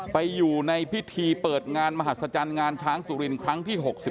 ไปอยู่ในพิธีเปิดงานมหัศจรรย์งานช้างสุรินครั้งที่๖๑